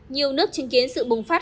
nhiều nước chứng kiến sự bùng phát